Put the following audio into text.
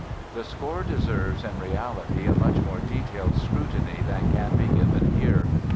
The score deserves, in reality, a much more detailed scrutiny than can be given here.